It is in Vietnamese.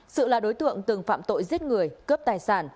sự là đối tượng từng phạm tội giết người cướp tài sản